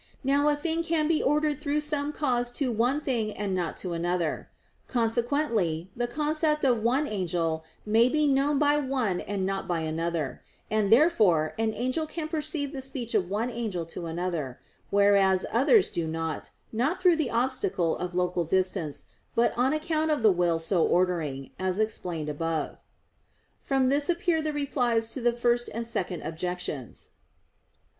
Now a thing can be ordered through some cause to one thing and not to another; consequently the concept of one (angel) may be known by one and not by another; and therefore an angel can perceive the speech of one angel to another; whereas others do not, not through the obstacle of local distance, but on account of the will so ordering, as explained above. From this appear the replies to the first and second objections.